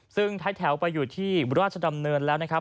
ซึ่งท้ายแถวไปอยู่ที่ราชดำเนินแล้วนะครับ